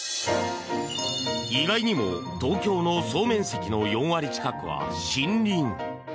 意外にも東京の総面積の４割近くは森林。